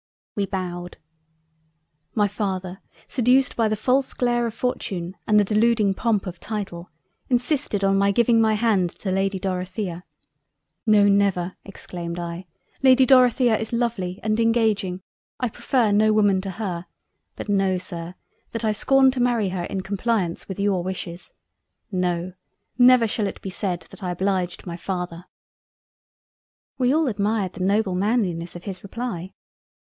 We bowed. "My Father seduced by the false glare of Fortune and the Deluding Pomp of Title, insisted on my giving my hand to Lady Dorothea. No never exclaimed I. Lady Dorothea is lovely and Engaging; I prefer no woman to her; but know Sir, that I scorn to marry her in compliance with your Wishes. No! Never shall it be said that I obliged my Father." We all admired the noble Manliness of his reply.